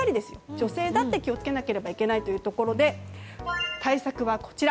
女性だって気をつけなければいけないというところで対策はこちら。